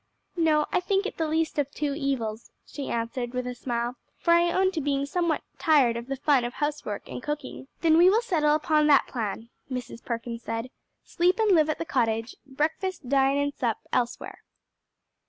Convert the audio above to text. "No; I think it the least of two evils," she answered, with a smile, "for I own to being somewhat tired of the fun of housework and cooking." "Then we will settle upon that plan," Mrs. Perkins said; "sleep and live at the cottage, breakfast, dine and sup elsewhere."